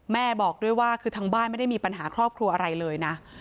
แม่บอกด้วยว่าคือทางบ้านไม่ได้มีปัญหาครอบครัวอะไรเลยนะ